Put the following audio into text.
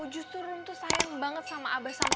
justru rum tuh sayang banget sama abah sama